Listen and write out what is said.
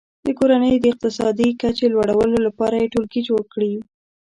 د کورنیو د اقتصادي کچې لوړولو لپاره یې ټولګي جوړ کړي.